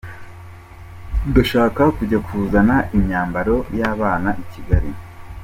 Ndashaka kujya kuzana imyambaro ya bana ikigali?